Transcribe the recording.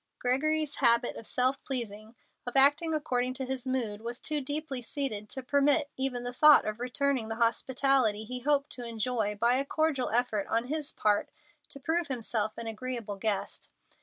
Gregory's habit of self pleasing of acting according to his mood was too deeply seated to permit even the thought of returning the hospitality he hoped to enjoy by a cordial effort on his part to prove himself an agreeable guest.